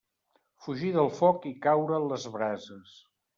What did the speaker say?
Fugir del foc i caure en les brases.